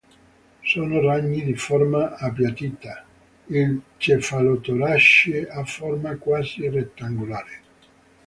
Sono ragni di forma appiattita, il cefalotorace ha forma quasi rettangolare.